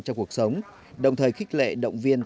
trong cuộc sống đồng thời khích lệ động viên